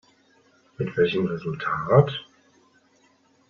Mit welchem Resultat?